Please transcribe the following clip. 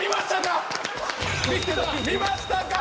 見ましたか？